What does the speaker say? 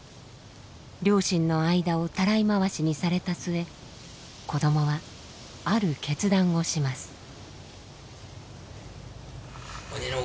両親の間をたらい回しにされた末子どもはある決断をします。